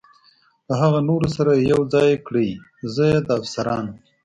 له هغه نورو سره یې یو ځای کړئ، زه یې د افسرانو.